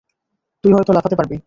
তুই হয়তো লাফাতে পারবি।